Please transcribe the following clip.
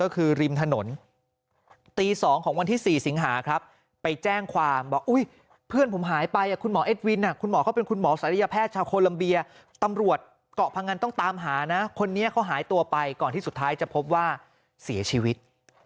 คุณหมอเขาเป็นคุณหมอศัตริยแพทย์ชาวโคลัมเบียตำรวจเกาะพังงันต้องตามหานะคนนี้เขาหายตัวไปก่อนที่สุดท้ายจะพบว่าเสียชีวิต